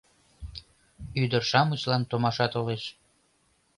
Ӱдыр-шамычлан томаша толеш